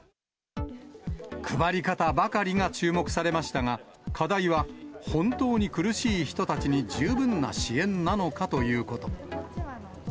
配り方ばかりが注目されましたが、課題は、本当に苦しい人たちに十分な支援なのかということ。